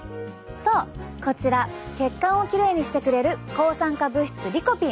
そうこちら血管をきれいにしてくれる抗酸化物質リコピン。